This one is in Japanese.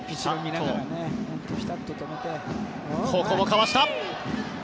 ここもかわした。